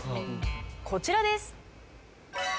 こちらです。